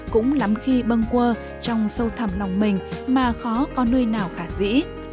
cũng lắm khi bâng quơ trong sâu thầm lòng mình mà khó có nơi nào khả dĩ